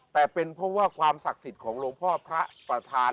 แต่เป็นเพราะว่าความศักดิ์สิทธิ์ของหลวงพ่อพระประธาน